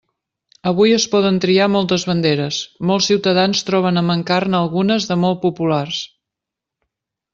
Avui es poden triar moltes banderes, molts ciutadans troben a mancar-ne algunes de molt populars.